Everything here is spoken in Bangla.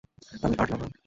আমি আর্ট লাভার।